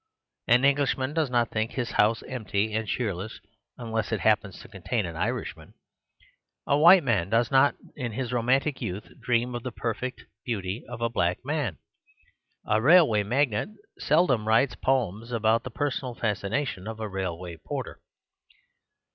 An Englishman does not think his house empty and cheerless unless it happens to con tain an Irishman. A white man does not in his romantic youth dream of the perfect beauty of a black man. A railway magnate seldom writes poems about the personal fas cination of a railway porter.